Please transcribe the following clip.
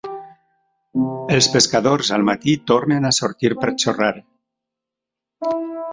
Els pescadors al matí tornen a sortir per xorrar.